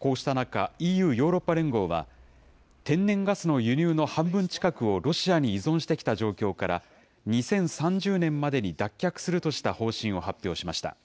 こうした中、ＥＵ・ヨーロッパ連合は、天然ガスの輸入の半分近くをロシアに依存してきた状況から２０３０年までに脱却するとした方針を発表しました。